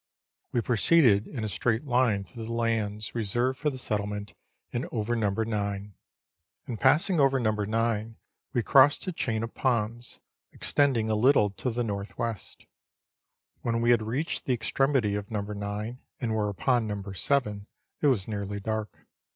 We proceeded in a straight line through the lands reserved for the settlement, and over No. 9. In passing over No. 9 we crossed a chain of ponds, extending a little to the N.W. When we had reached the extremity of No. 9, and were upon No. 7, it was nearly dark.